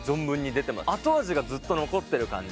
後味がずっと残ってる感じ。